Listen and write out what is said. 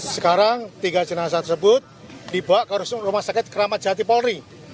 sekarang tiga jenazah tersebut dibawa ke rumah sakit keramat jati polri